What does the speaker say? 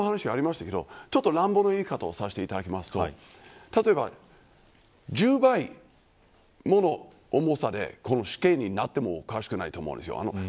減刑の話がありましたがちょっと乱暴な言い方をさせていただきますと例えば１０倍もの重さで死刑になってもおかしくないと思うんですよ。